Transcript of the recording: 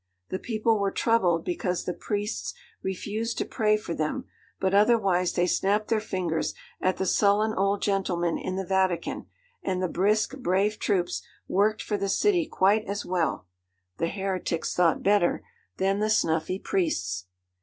The people were troubled because the priests refused to pray for them: but otherwise they snapped their fingers at the sullen old gentlemen in the Vatican; and the brisk, brave troops worked for the city quite as well (the heretics thought better) than the snuffy priests.